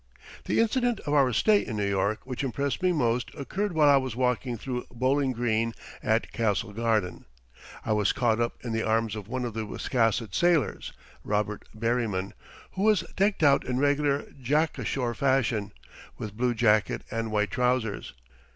The incident of our stay in New York which impressed me most occurred while I was walking through Bowling Green at Castle Garden. I was caught up in the arms of one of the Wiscasset sailors, Robert Barryman, who was decked out in regular Jackashore fashion, with blue jacket and white trousers.